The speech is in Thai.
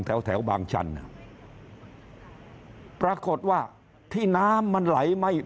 แถวแถวบางชันปรากฏว่าที่น้ำมันไหลไม่